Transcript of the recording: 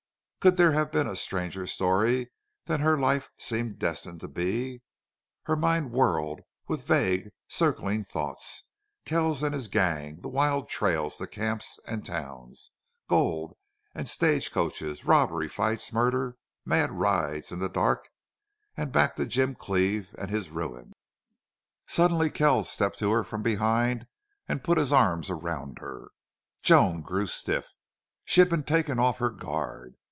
Could there have been a stranger story than her life seemed destined to be? Her mind whirled with vague, circling thought Kells and his gang, the wild trails, the camps, and towns, gold and stage coaches, robbery, fights, murder, mad rides in the dark, and back to Jim Cleve and his ruin. Suddenly Kells stepped to her from behind and put his arms around her. Joan grew stiff. She had been taken off her guard.